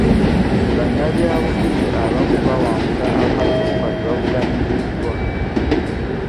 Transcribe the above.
Bannabyabufuzi abamu bawangula akalulu nga tebavuganyiziddwa.